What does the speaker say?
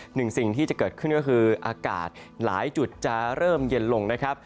หนึ่งสิ่งที่จะเกิดขึ้นก็คืออากาศหลายจุดจะเริ่มเย็นลงนะครับ